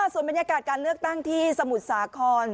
ส่วนบรรยากาศการเลือกตั้งที่สมุทรสาคร